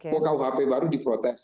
kok kuhp baru diprotes